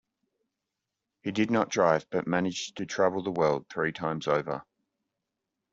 He did not drive but managed to travel the world three times over.